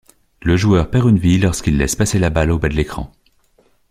Le joueur perd une vie lorsqu'il laisse passer la balle au bas de l'écran.